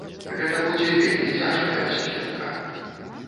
Гэта будзе вельмі цяжкая сукенка.